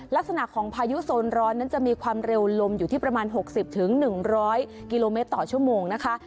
ลักษณะของพายุโซนร้อนนั้นจะมีความเร็วลมอยู่ที่ประมาณ๖๐๑๐๐กิโลเมตรต่อชั่วโมงนะคะ